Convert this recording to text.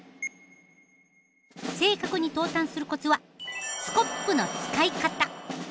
正確に投炭するコツはスコップの使い方。